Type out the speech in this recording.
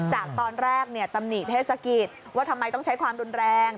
จากตอนแรกตำหนิเทศกิจว่าทำไมต้องใช้ความรุนแรง